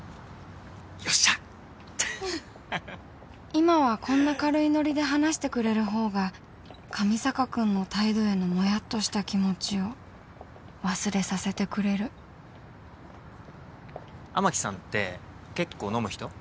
今はこんな軽いノリで話してくれる方が上坂君の態度へのモヤっとした気持ちを雨樹さんって結構飲む人？